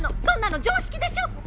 そんなの常識でしょ！